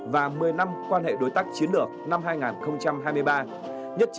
và một mươi năm quan hệ đối tác chiến lược năm hai nghìn hai mươi ba